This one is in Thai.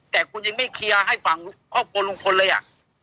แต่คุณยังไม่เคลียร์ให้ฝั่งครอบครัวลุงพลเลยอ่ะ